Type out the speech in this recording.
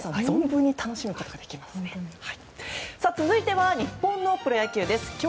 続いては日本のプロ野球です。